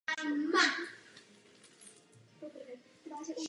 Některá z nalezených děl nebyla dosud zpracována.